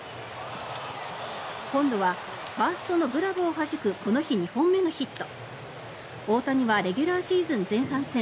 今度はファーストのグラブをはじくこの日２本目のヒット。